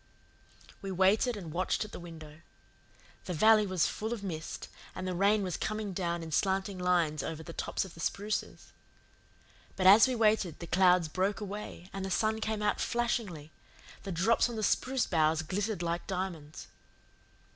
We waited and watched at the window. The valley was full of mist, and the rain was coming down in slanting lines over the tops of the spruces. But as we waited the clouds broke away and the sun came out flashingly; the drops on the spruce boughs glittered like diamonds.